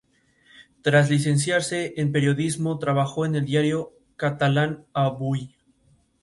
Tras licenciarse en Periodismo trabajó en el diario catalán Avui.